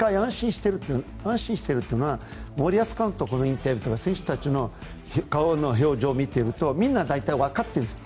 １回安心してるというのは森保監督のインタビューとか選手たちの顔の表情を見ているとみんな大体、わかっているんです。